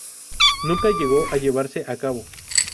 Nunca llegó a llevarse a cabo.